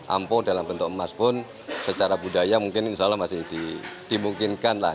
ampo dalam bentuk emas pun secara budaya mungkin insya allah masih dimungkinkan lah